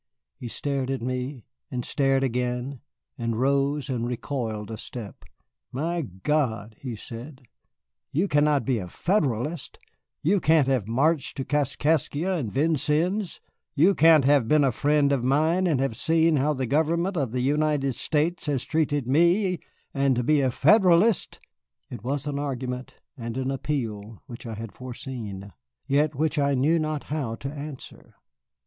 He stared at me, and stared again, and rose and recoiled a step. "My God," he said, "you cannot be a Federalist, you can't have marched to Kaskaskia and Vincennes, you can't have been a friend of mine and have seen how the government of the United States has treated me, and be a Federalist!" It was an argument and an appeal which I had foreseen, yet which I knew not how to answer.